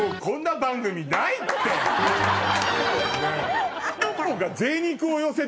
こんな番組ないよ